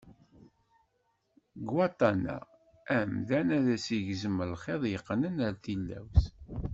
Deg waṭṭan-a, amdan ad as-igzem lxiḍ yeqqnen ar tilawt.